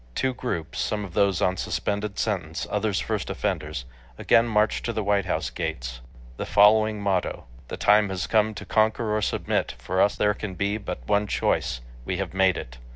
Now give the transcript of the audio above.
Two groups, some of those on suspended sentence, others first offenders, again marched to the White House gates. The following motto: THE TIME HAS COME TO CONQUER OR SUBMIT; FOR US THERE CAN BE BUT ONE CHOICE WE HAVE MADE IT.